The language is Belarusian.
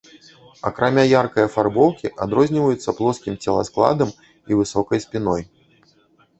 Акрамя яркай афарбоўкі, адрозніваюцца плоскім целаскладам і высокай спіной.